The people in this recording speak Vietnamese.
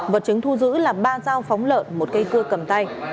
vật chứng thu giữ là ba giao phóng lợn một cây cưa cầm tay